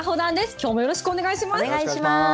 きょうもよろしくお願いします。